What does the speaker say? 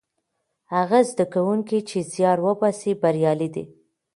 هغه زده کوونکي چې زیار باسي بریالي دي.